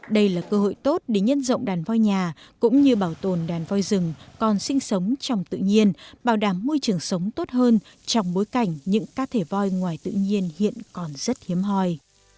đây là cơ hội tốt để nhân rộng đàn voi nhà cũng như bảo tồn đàn voi rừng còn sinh sống trong tự nhiên bảo đảm môi trường sống tốt hơn trong bối cảnh những cá thể voi ngoài tự nhiên hiện còn rất hiếm hoi